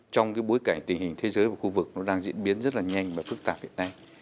trong bối cảnh tình hình thế giới và khu vực đang diễn biến rất nhanh và phức tạp hiện nay